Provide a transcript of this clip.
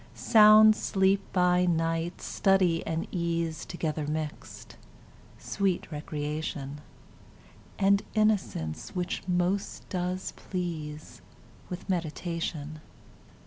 Sound sleep by night; study and ease Together mixed; sweet recreation, And innocence, which most does please With meditation.